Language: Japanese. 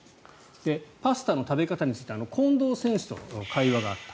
で、パスタの食べ方について近藤選手との会話があった。